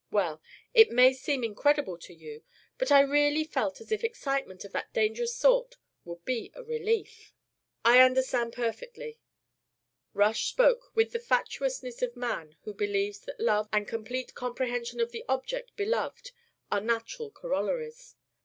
Well it may seem incredible to you, but I really felt as if excitement of that dangerous sort would be a relief." "I understand perfectly." Rush spoke with the fatuousness of man who believes that love and complete comprehension of the object beloved are natural corollaries.